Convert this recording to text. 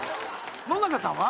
野中さんは？